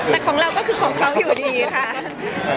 แต่ของเราก็คือของเขาอยู่ดีค่ะ